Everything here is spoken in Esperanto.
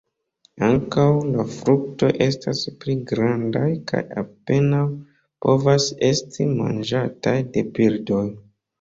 Ankaŭ la fruktoj estas pli grandaj kaj apenaŭ povas esti manĝataj de birdoj.